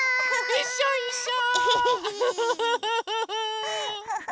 いっしょいっしょ！